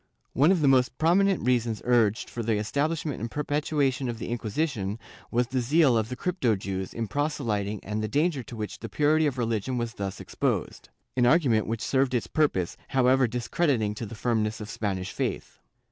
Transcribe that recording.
One of the most prominent reasons urged for the establishment and perpetuation of the Inquisition was the zeal of the crypto Jews in proselyting and the danger to which the purity of religion was thus exposed — an argument which served its purpose, however discrediting to the firmness of Spanish faith.